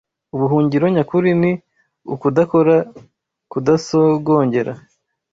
Ubuhungiro nyakuri ni ukudakora, kudasogongera,